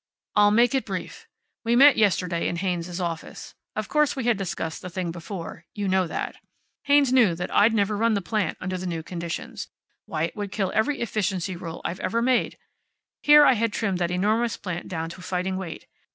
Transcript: "I'll make it brief. We met yesterday in Haynes's office. Of course we had discussed the thing before. You know that. Haynes knew that I'd never run the plant under the new conditions. Why, it would kill every efficiency rule I've ever made. Here I had trimmed that enormous plant down to fighting weight.